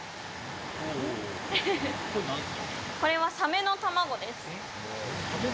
これはサメの卵です。